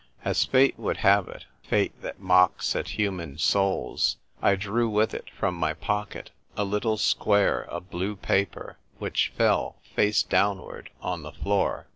As fate would have it — fate that mocks at human souls — I drew with it from my pocket a little square of blue paper which fell, face down ward, on the floor.